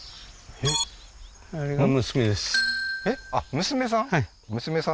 えっあっ娘さん？